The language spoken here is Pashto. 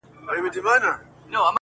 • خو تېروتني تکرارېږي,